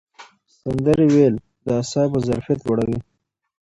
سندرې ویل د اعصابو ظرفیت لوړوي.